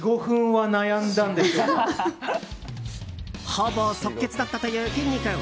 ほぼ即決だったというきんに君。